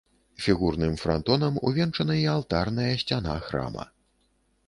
Фігурным франтонам увенчана і алтарная сцяна храма.